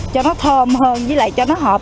cho nó thơm hơn với lại cho nó hợp